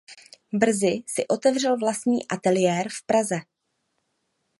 Brzy si otevřel vlastní ateliér v Praze.